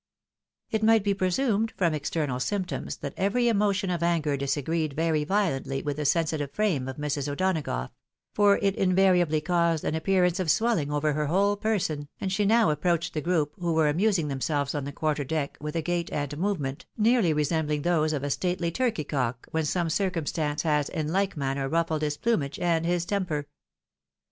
It might be presumed from external symptoms, that every emotion of anger disagreed very violently with the sensitive frame of Mrs. O'Donagough ; for it invariably caused an appear ance of swelling over her whole person, and she now approached the group, who were amusing themselves on the quarter deck, with a gait and movement, nearly resembling those of a stately turkey cock, when some circumstance has in like manner ruffled his plumage and his temper.